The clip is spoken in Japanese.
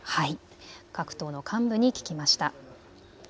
各党の幹部に聞きました。